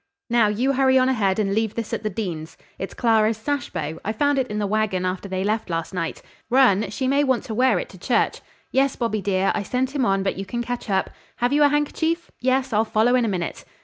Now, you hurry on ahead and leave this at the Deans'. It's Clara's sash bow. I found it in the wagon after they left last night. Run, she may want to wear it to church. Yes, Bobby, dear, I sent him on, but you can catch up. Have you a handkerchief? Yes, I'll follow in a minute."